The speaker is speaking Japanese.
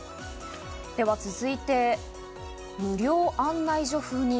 では続いて、無料案内所風に。